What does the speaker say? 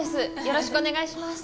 よろしくお願いします。